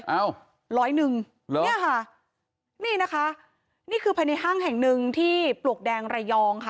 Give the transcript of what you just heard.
เอาเนี่ยค่ะร้อยหนึ่งนี่นะคะนี่คือภายในห้างแห่งนึงที่ปลวกแดงระยองค่ะ